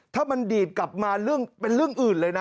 ถ้ามันดีดกลับมาเรื่องอื่นเลยนะ